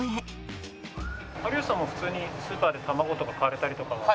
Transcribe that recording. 有吉さんも普通にスーパーで卵とか買われたりとかは。